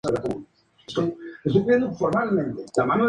En el pasado fue ciudadano americano.